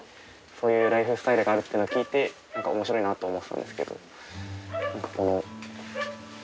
そういうライフスタイルがあるって聞いて面白いなと思ってたんですけど。